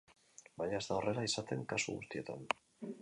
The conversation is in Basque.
Baina ez da horrela izaten kasu guztietan.